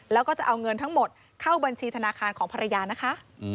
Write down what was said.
แล้วก็จะเอาเงินทั้งหมดเข้าบัญชีธนาคารของภรรยานะคะ